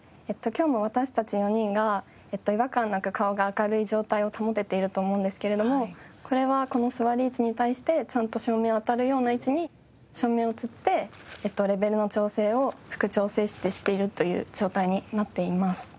今日も私たち４人が違和感なく顔が明るい状態を保てていると思うんですけれどもこれはこの座り位置に対してちゃんと照明が当たるような位置に照明をつってレベルの調整を副調整室でしているという状態になっています。